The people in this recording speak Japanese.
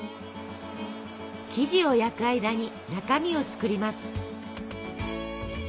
生地を焼く間に中身を作ります。